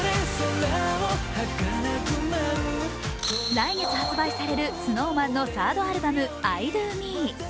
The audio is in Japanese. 来月発売されるＳｎｏｗＭａｎのサードアルバム「ｉＤＯＭＥ」。